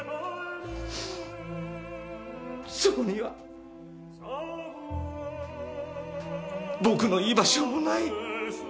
そこには僕の居場所もない。